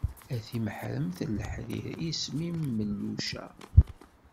A timeḥremt n leḥrir, isem-im melluca.